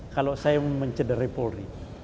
kalau saya mencederai polri